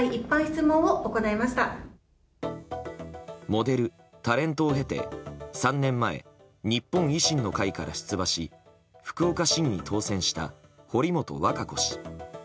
モデル、タレントを経て３年前日本維新の会から出馬し福岡市議に当選した堀本和歌子氏。